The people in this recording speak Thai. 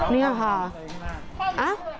นี่ค่ะ